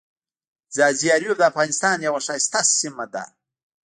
ځاځي اریوب دافغانستان یوه ښایسته سیمه ده.